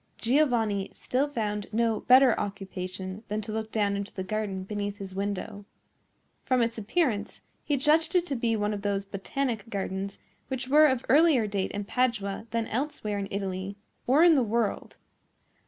Giovanni still found no better occupation than to look down into the garden beneath his window. From its appearance, he judged it to be one of those botanic gardens which were of earlier date in Padua than elsewhere in Italy or in the world.